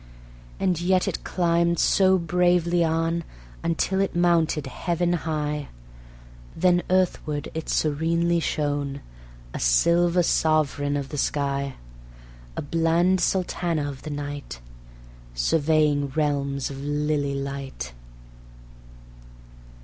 And yet it climbed so bravely on Until it mounted heaven high; Then earthward it serenely shone, A silver sovereign of the sky, A bland sultana of the night, Surveying realms of lily light.